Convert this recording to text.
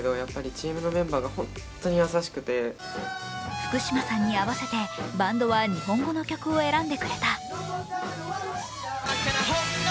福嶌さんに合わせてバンドは日本語の曲を選んでくれた。